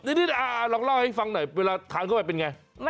เดี๋ยวลองเล่าให้ฟังหน่อยเวลาทานเข้าไปเป็นไง